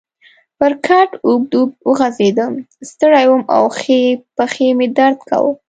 پر کټ اوږد اوږد وغځېدم، ستړی وم او ښۍ پښې مې درد کاوه.